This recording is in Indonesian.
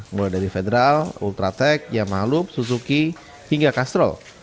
mulai dari federal ultratec yamalup suzuki hingga kastrol